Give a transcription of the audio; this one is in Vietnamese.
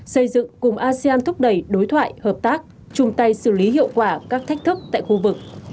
xây dựng cùng asean thúc đẩy đối thoại hợp tác chung tay xử lý hiệu quả các thách thức tại khu vực